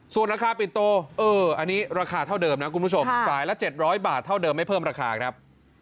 ส่วนราคาปิดโตอันนี้ราคาเท่าเดิมนะคุณผู้ชมสายละ๗๐๐บาทเท่าเดิมไม่เพิ่มราคาครับ